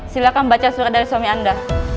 silahkan baca surat dari suami anda